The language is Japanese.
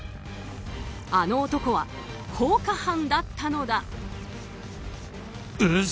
あの男は放火犯だったのだ。